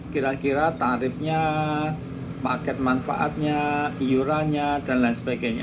kira kira tarifnya paket manfaatnya iurannya dan lain sebagainya